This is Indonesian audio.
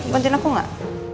bantuin aku gak